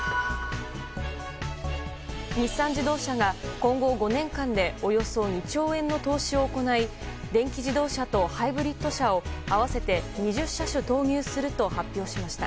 日産自動車が今後５年間でおよそ２兆円の投資を行い電気自動車とハイブリッド車を合わせて２０車種投入すると発表しました。